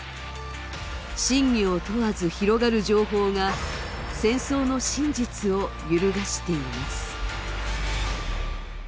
真偽を問わず広がる情報が戦争の真実を揺るがしています。